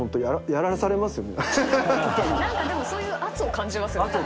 何かでもそういう圧を感じますよね。